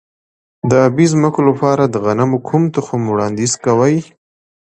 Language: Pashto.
د ابي ځمکو لپاره د غنمو کوم تخم وړاندیز کوئ؟